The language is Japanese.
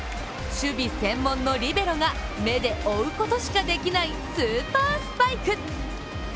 守備専門のリベロが目で追うことしかできないスーパースパイク。